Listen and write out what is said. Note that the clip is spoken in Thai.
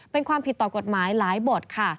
เป็นความผิดต่อกฎหมายหลายบทค่ะ